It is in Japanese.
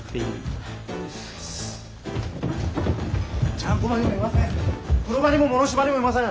ちゃんこ場にもいません。